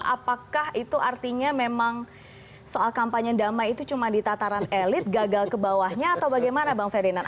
apakah itu artinya memang soal kampanye damai itu cuma di tataran elit gagal ke bawahnya atau bagaimana bang ferdinand